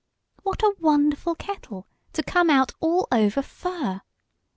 What a wonderful kettle, to come out all over fur!